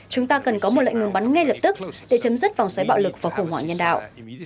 chúng ta cần có một lệnh ngừng bắn ngay lập tức để chấm dứt vòng xoáy bạo lực và khủng hoảng nhân đạo